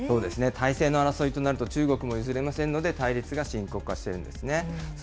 体制の争いとなると中国も譲れませんので、対立が深刻化しているんですね。